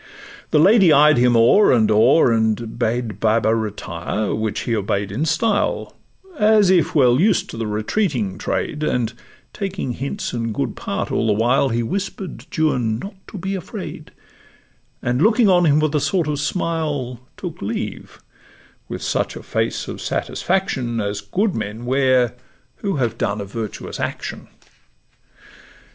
The lady eyed him o'er and o'er, and bade Baba retire, which he obey'd in style, As if well used to the retreating trade; And taking hints in good part all the while, He whisper'd Juan not to be afraid, And looking on him with a sort of smile, Took leave, with such a face of satisfaction As good men wear who have done a virtuous action.